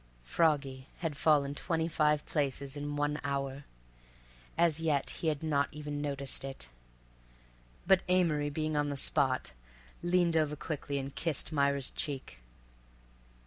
Froggy had fallen twenty five places in one hour. As yet he had not even noticed it. But Amory, being on the spot, leaned over quickly and kissed Myra's cheek.